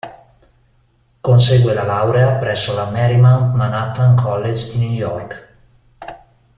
Consegue la laurea presso la Marymount Manhattan College di New York.